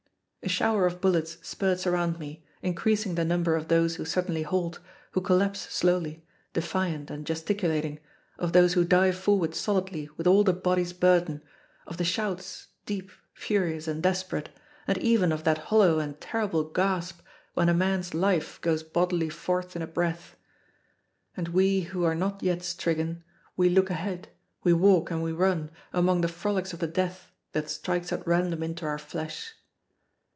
A shower of bullets spirts around me, increasing the number of those who suddenly halt, who collapse slowly, defiant and gesticulating, of those who dive forward solidly with all the body's burden, of the shouts, deep, furious, and desperate, and even of that hollow and terrible gasp when a man's life goes bodily forth in a breath. And we who are not yet stricken, we look ahead, we walk and we run, among the frolics of the death that strikes at random into our flesh.